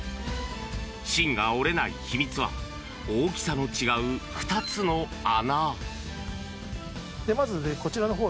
芯が折れない秘密は大きさの違う２つの穴。